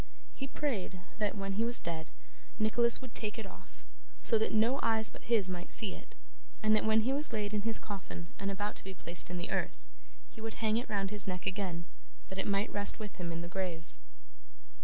He prayed that, when he was dead, Nicholas would take it off, so that no eyes but his might see it, and that when he was laid in his coffin and about to be placed in the earth, he would hang it round his neck again, that it might rest with him in the grave.